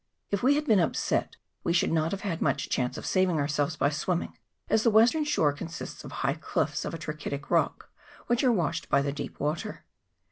If we had been upset we should not have had much chance of saving ourselves by swimming, as the western shore consists of high cliffs of a trachytic rock, which are washed by the deep water.